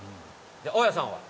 大家さんは？